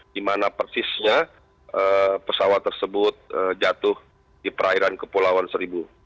dimana persisnya pesawat tersebut jatuh di perairan kepulauan seribu